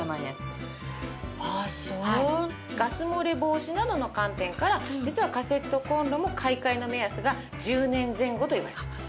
ガス漏れ防止などの観点から実はカセットコンロも買い替えの目安が１０年前後といわれています。